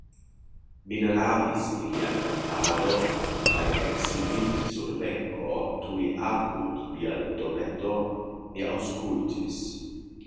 Min ravis ilia kantado, kaj eksidinte sur benko tuj apud mia dometo, mi aŭskultis.